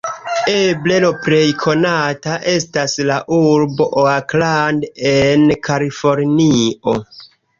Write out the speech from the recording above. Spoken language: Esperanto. Eble le plej konata estas la urbo Oakland en Kalifornio.